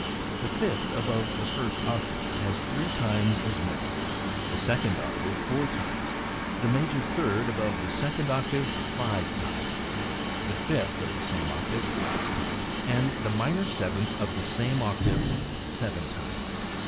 The fifth above the first octave has three times as many ; the second octave four times ; the major third above the second "octave five times ; the fifth of the same octave six times ; and the minor seventh of the same octave seven times."